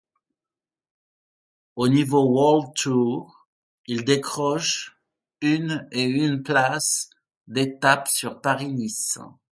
Au niveau World Tour, il décroche une et une place d'étape sur Paris-Nice.